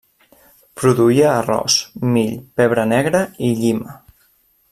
Produïa arròs, mill, pebre negre i llima.